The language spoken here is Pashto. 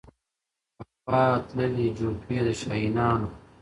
په هوا تللې جوپې د شاهینانو ,